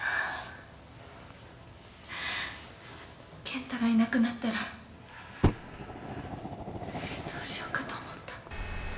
健太がいなくなったらどうしようかと思った。